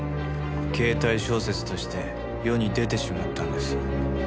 携帯小説として世に出てしまったんです。